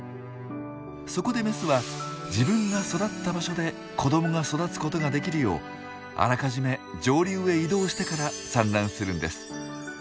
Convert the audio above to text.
そこでメスは自分が育った場所で子どもが育つことができるようあらかじめ上流へ移動してから産卵するんです。